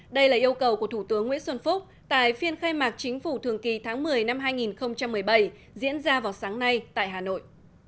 đây là yêu cầu của thủ tướng nguyễn xuân phúc tại phiên khai mạc chính phủ thường kỳ tháng một mươi năm hai nghìn một mươi bảy diễn ra vào sáng nay tại hà nội